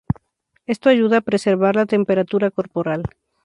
Esto ayuda a preservar la temperatura corporal.